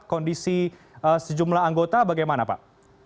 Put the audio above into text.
kondisi sejumlah anggota bagaimana pak